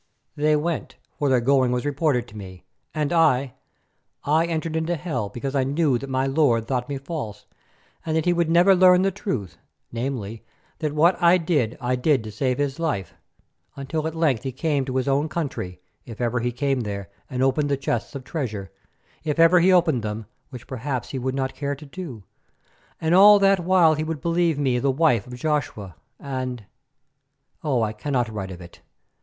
They went, for their going was reported to me, and I, I entered into hell because I knew that my lord thought me false, and that he would never learn the truth, namely, that what I did I did to save his life, until at length he came to his own country, if ever he came there, and opened the chests of treasure, if ever he opened them, which perhaps he would not care to do. And all that while he would believe me the wife of Joshua, and—oh! I cannot write of it.